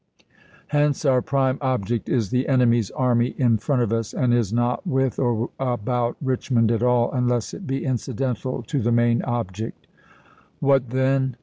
Hence our prime object is the enemy's army in front of us, and is not with or about Richmond at all, unless it be incidental to the main object. " What then